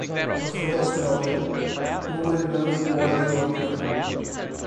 Her first novel, Who Will Love Polly Odlum?